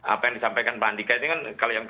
apa yang disampaikan pak andika ini kan kalau yang